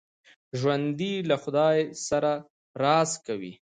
ژوندي له خدای سره راز کوي